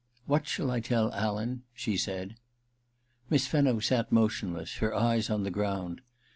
* What shaU I teU Alan.? ' she said. Miss Fenno sat motionless, her eyes on the ground.